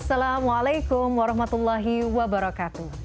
assalamualaikum warahmatullahi wabarakatuh